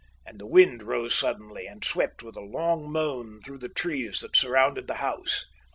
And the wind rose suddenly and swept with a long moan through the trees that surrounded the house.